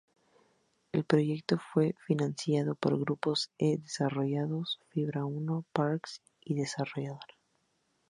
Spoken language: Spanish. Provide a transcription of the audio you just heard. El proyecto fue financiado por Grupo E Desarrollos, Fibra Uno y Parks Desarrolladora.